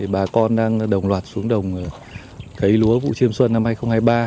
bà con đang đồng loạt xuống đồng cấy lúa vụ chiêm xuân năm hai nghìn hai mươi ba